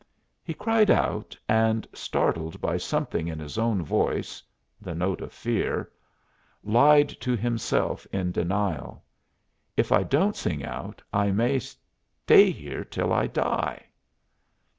He cried out and, startled by something in his own voice the note of fear lied to himself in denial: "If I don't sing out I may stay here till I die."